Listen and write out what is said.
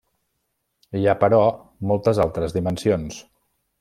Hi ha, però, moltes altres dimensions.